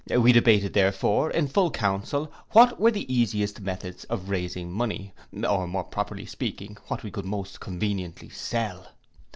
We debated therefore in full council what were the easiest methods of raising money, or, more properly speaking, what we could most conveniently sell.